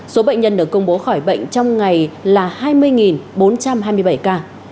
số bệnh nhân được công bố khỏi bệnh trong ngày là hai mươi bốn trăm hai mươi bảy ca